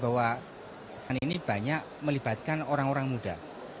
bahwa ini banyak melibatkan orang orang muda